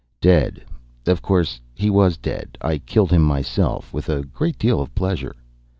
"Dead. Of course he was dead. I killed him myself, with a great deal of pleasure."